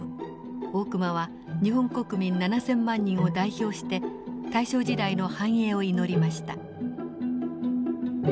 大隈は日本国民７，０００万人を代表して大正時代の繁栄を祈りました。